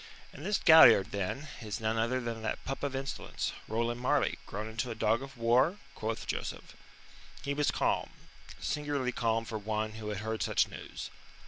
"And this Galliard, then, is none other than that pup of insolence, Roland Marleigh, grown into a dog of war?" quoth Joseph. He was calm singularly calm for one who had heard such news.